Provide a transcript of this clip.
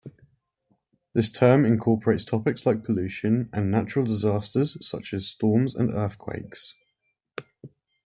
This term incorporates topics like pollution and natural disasters such as storms and earthquakes.